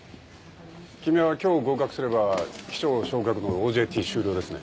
君は今日合格すれば機長昇格のＯＪＴ終了ですね。